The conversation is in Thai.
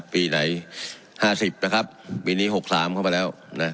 ปีไหน๕๐นะครับปีนี้๖๓เข้ามาแล้วนะ